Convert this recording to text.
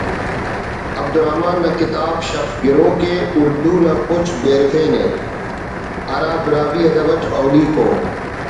عبدالرحمن نا کتاب ”شف گروگ“ ءِ اُڑدو نا پچ بیرفینے‘ ہرا براہوئی ادب اٹ اولیکو